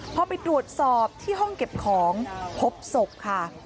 พอไปตรวจสอบที่ห้องเก็บของพบศพค่ะ